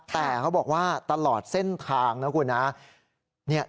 แต่เขาบอกว่าตลอดเส้นทางนะคุณนะ